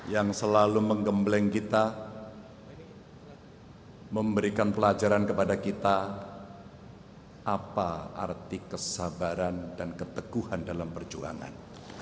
yang selalu menggembleng kita memberikan pelajaran kepada kita apa arti kesabaran dan keteguhan dalam perjuangan